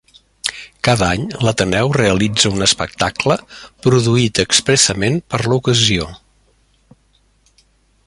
Cada any l'Ateneu realitza un espectacle produït expressament per a l'ocasió.